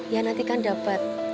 ya nanti kan dapat